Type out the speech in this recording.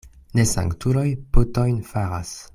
Ne sanktuloj potojn faras.